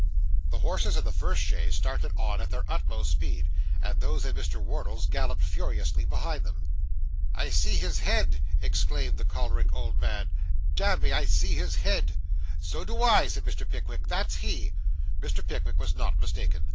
The horses in the first chaise started on at their utmost speed; and those in Mr. Wardle's galloped furiously behind them. 'I see his head,' exclaimed the choleric old man; 'damme, I see his head.' 'So do I' said Mr. Pickwick; 'that's he.' Mr. Pickwick was not mistaken.